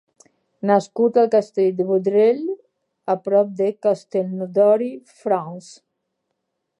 Nascut al castell de Vaudreuil, a prop de Castelnaudary, França.